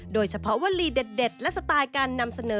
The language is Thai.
โดยเฉพาะวลีเด็ดและสไตล์การนำเสนอ